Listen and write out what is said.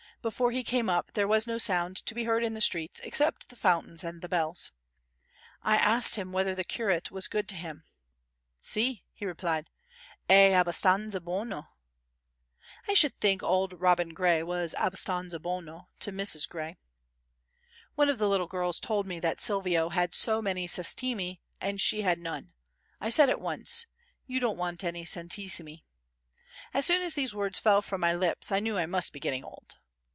Before he came up there was no sound to be heard in the streets, except the fountains and the bells. I asked him whether the curate was good to him. "Si," he replied, "è abbastanza buono." I should think Auld Robin Gray was "abbastanza buono" to Mrs. Gray. One of the little girls told me that Silvio had so many centesimi and she had none. I said at once: "You don't want any centesimi." As soon as these words fell from my lips, I knew I must be getting old.